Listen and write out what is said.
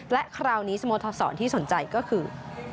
และคราวนี้สโมสรที่สนใจก็คือ